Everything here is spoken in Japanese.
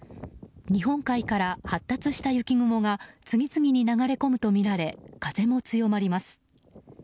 日本海から発達した雪雲が次々に流れ込むとみられ風も強まります。